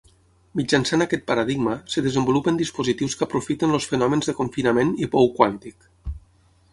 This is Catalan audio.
Mitjançant aquest paradigma es desenvolupen dispositius que aprofiten els fenòmens de confinament i pou quàntic.